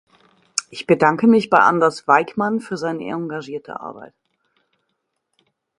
Ich bedanke mich bei Anders Wijkman für seine engagierte Arbeit.